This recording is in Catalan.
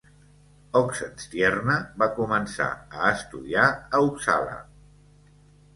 Oxenstierna va començar a estudiar a Uppsala.